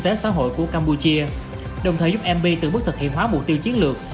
tế xã hội của campuchia đồng thời giúp mb từng bước thực hiện hóa mục tiêu chiến lược